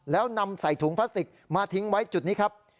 แล้วนำใส่ถุงพลาสติกมาทิ้งไว้จุดนี้ครับ